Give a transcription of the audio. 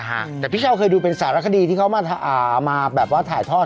ฮะแต่พี่เช่าเคยดูเป็นสารคดีที่เขามาอ่ามาแบบว่าถ่ายทอด